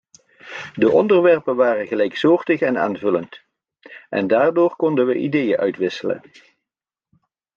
De onderwerpen waren gelijksoortig en aanvullend en daardoor konden we ideeën uitwisselen.